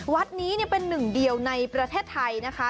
วัดนี้เป็นหนึ่งเดียวในประเทศไทยนะคะ